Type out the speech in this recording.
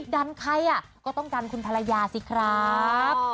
ดันใครก็ต้องดันคุณภรรยาสิครับ